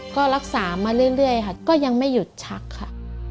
ก็รักษามาเรื่อยค่ะก็ยังไม่หยุดชักค่ะ